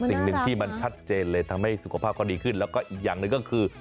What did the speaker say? สิ่งหนึ่งที่มันชัดเจนเลยทำให้สุขภาพเขาดีขึ้นแล้วก็อีกอย่างหนึ่งก็คือ